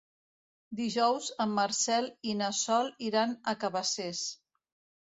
Dijous en Marcel i na Sol iran a Cabacés.